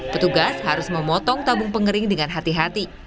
petugas harus memotong tabung pengering dengan hati hati